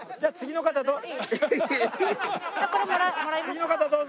次の方どうぞ！